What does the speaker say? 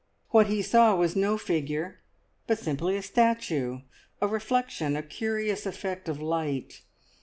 What he saw was no figure, but simply a statue, a reflection, a curious effect of light.